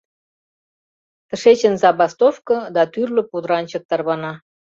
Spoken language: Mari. Тышечын забастовко да тӱрлӧ пудыранчык тарвана.